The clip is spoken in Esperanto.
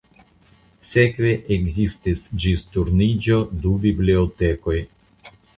Sekve ekzistis ĝis Turniĝo du bibliotekoj.